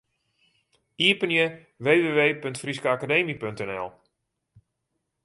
Iepenje www.fryskeakademy.nl.